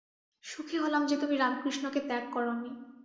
সুখী হলাম যে, তুমি রামকৃষ্ণকে ত্যাগ করনি।